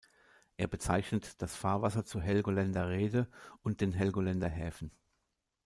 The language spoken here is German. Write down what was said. Er bezeichnet das Fahrwasser zur Helgoländer Reede und den Helgoländer Häfen.